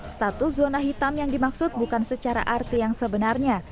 status zona hitam yang dimaksud bukan secara arti yang sebenarnya